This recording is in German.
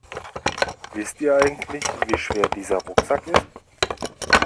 Wisst ihr eigentlich, wie schwer dieser Rucksack ist?